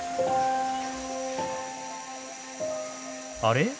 あれ？